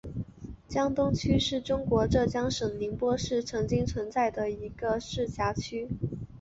江东区是中国浙江省宁波市曾经存在的一个市辖区。